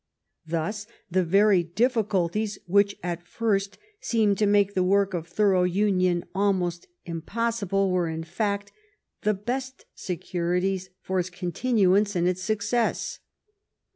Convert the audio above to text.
Thus the very difficulties which at first seemed to make the work of thorough union al most impossible were, in fact, the best securities for its continuance and its success.